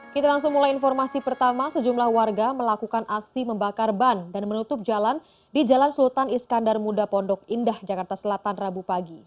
kita langsung mulai informasi pertama sejumlah warga melakukan aksi membakar ban dan menutup jalan di jalan sultan iskandar muda pondok indah jakarta selatan rabu pagi